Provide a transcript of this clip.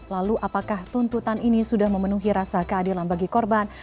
lalu apakah tuntutan ini sudah memenuhi rasa keadilan bagi korban